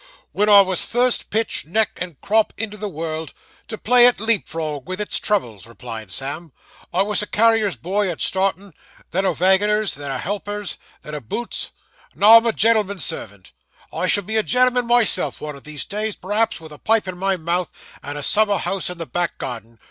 'When I wos first pitched neck and crop into the world, to play at leap frog with its troubles,' replied Sam. 'I wos a carrier's boy at startin'; then a vaginer's, then a helper, then a boots. Now I'm a gen'l'm'n's servant. I shall be a gen'l'm'n myself one of these days, perhaps, with a pipe in my mouth, and a summer house in the back garden.